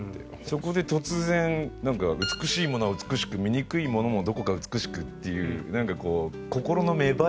そこで突然なんか「美しいものは美しく醜いものもどこか美しく」っていうなんかこう。